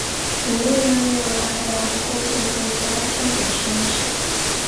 学院拥有海洋工程国家重点实验室。